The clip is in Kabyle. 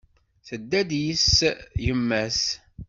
Tedda-d yid-s yemma-s.